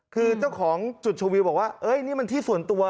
คือเจ้าของจุดชมวิวบอกว่านี่มันที่ส่วนตัว